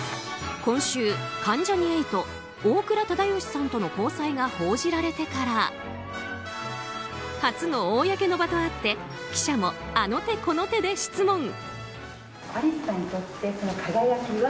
今週、関ジャニ∞大倉忠義さんとの交際が報じられてから初の公の場とあって記者もあの手、この手で質問。